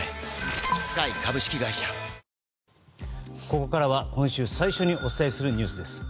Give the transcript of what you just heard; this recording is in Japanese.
ここからは今週最初にお伝えするニュースです。